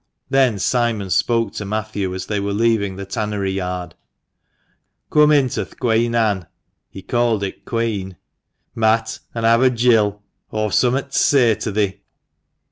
Then Simon spoke to Matthew as they were leaving the tannery yard. " Coom into th' ' Queen Anne '" (he called it quean), " Matt, and have a gill ; aw've summat t' say to thee."